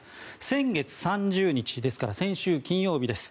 先月３０日ですから先週金曜日です。